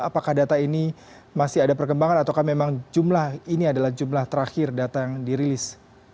apakah data ini masih ada perkembangan atau memang jumlah ini adalah jumlah terakhir data yang dirilis